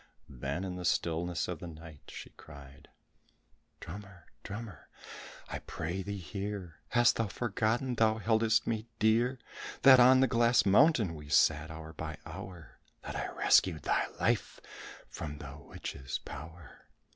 Then in the stillness of the night, she cried, "Drummer, drummer, I pray thee hear! Hast thou forgotten thy heldest me dear? That on the glass mountain we sat hour by hour? That I rescued thy life from the witch's power?